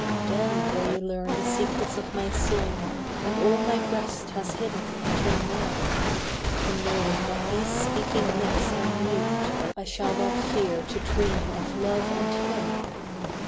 Then will you learn the secrets of my soul And all my breast has hidden until now, For knowing that these speaking lips are mute I shall not fear to dream of Love and him.